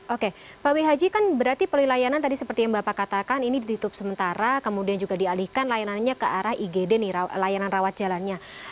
oke pak wihaji kan berarti pelayanan tadi seperti yang bapak katakan ini ditutup sementara kemudian juga dialihkan layanannya ke arah igd nih layanan rawat jalannya